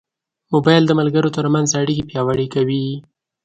موبایل د ملګرو ترمنځ اړیکې پیاوړې کوي.